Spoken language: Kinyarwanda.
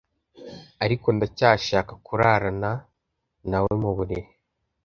Ariko ndacyashaka kurarana nawe muburiri